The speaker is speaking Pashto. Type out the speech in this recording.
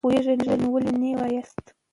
که تاسو پوهېږئ، نو ولې نه وایاست؟